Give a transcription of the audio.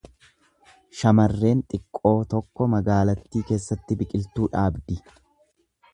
Shamarreen xiqqoo tokko magaalattii keessatti biqiltuu dhaabdi.